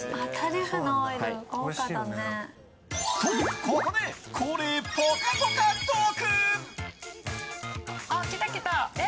と、ここで恒例ぽかぽかトーク！